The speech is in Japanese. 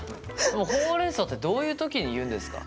ホウ・レン・ソウってどういう時に言うんですか？